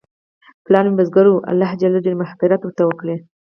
پلار مې بزګر و، الله ج دې مغفرت ورته وکړي